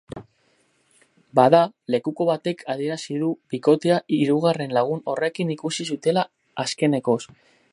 Bada, lekuko batek adierazi du bikotea hirugarren lagun horrekin ikusi zutela azkenekoz.